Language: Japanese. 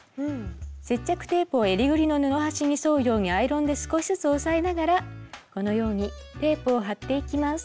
接着テープを襟ぐりの布端に沿うようにアイロンで少しずつ押さえながらこのようにテープを貼っていきます。